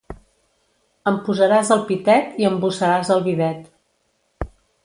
Em posaràs el pitet i embussaràs el bidet.